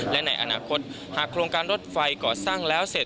และในอนาคตหากโครงการรถไฟก่อสร้างแล้วเสร็จ